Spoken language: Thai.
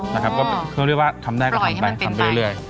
นะครับก็เขาเรียกว่าทำได้ก็ทำไปทำไปเรื่อย